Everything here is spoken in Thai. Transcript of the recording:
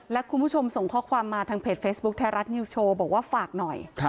และคุณผู้ชมส่งข้อความมาทางเพจเฟซบุ๊คไทยรัฐนิวส์โชว์บอกว่าฝากหน่อย